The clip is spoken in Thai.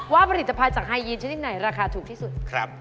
ผลิตภัณฑ์จากไฮยีนชนิดไหนราคาถูกที่สุด